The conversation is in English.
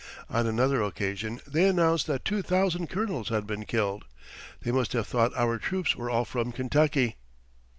On another occasion they announced that two thousand colonels had been killed. They must have thought our troops were all from Kentucky.